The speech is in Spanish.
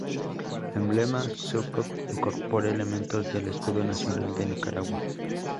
El emblema Scout incorpora elementos del Escudo nacional de Nicaragua.